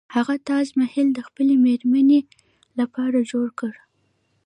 هغه تاج محل د خپلې میرمنې لپاره جوړ کړ.